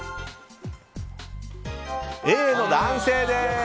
Ａの男性です！